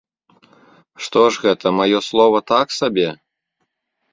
Што ж гэта, маё слова так сабе?